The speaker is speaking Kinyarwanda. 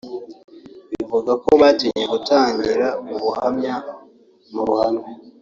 avuga ko batinye gutangira ubuhamya mu ruhame